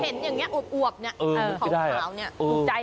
คุณเห็นอย่างงี้อวกเนี่ยข้าวขาวเนี่ย